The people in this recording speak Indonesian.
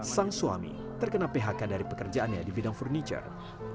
sang suami terkena phk dari pekerjaannya di bidang furniture